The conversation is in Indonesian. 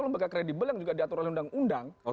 lembaga kredibel yang juga diatur oleh undang undang